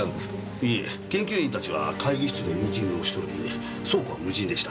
いえ研究員たちは会議室でミーティングをしており倉庫は無人でした。